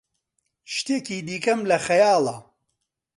شتێکی دیکەم لە خەیاڵە.